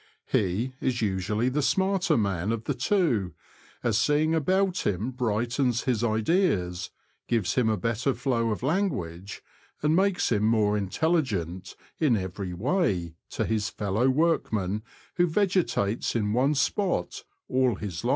He is usually the smarter man of the two, as seeing about him brightens his ideas, gives him a better flow of language, and makes him more intelligent, in every way, to his fellow workman who vegetates in one spot all his life.